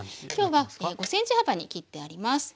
今日は５ｃｍ幅に切ってあります。